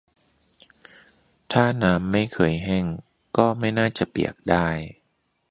ถ้าน้ำไม่เคยแห้ง ก็ไม่น่าจะเปียกได้